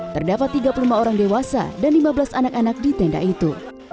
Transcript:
terdapat tiga puluh lima orang dewasa dan lima belas anak anak di tenda itu